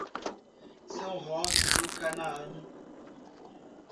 São Roque do Canaã